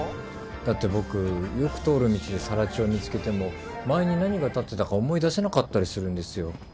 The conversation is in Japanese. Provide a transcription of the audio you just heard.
だって僕よく通る道でさら地を見つけても前に何が立ってたか思い出せなかったりするんですよ。